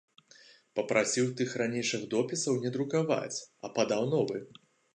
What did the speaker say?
Папрасіў тых ранейшых допісаў не друкаваць, а падаў новы.